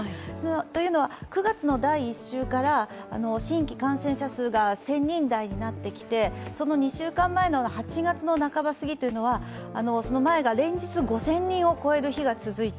というのは９月の第１週から新規感染者数が１０００人台になってきて、その２週間前の８月半ばすぎというのはその前が連日５０００人を超える日が続いた。